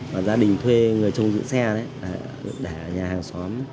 và gia đình thuê người trông giữ xe đấy để ở nhà hàng xóm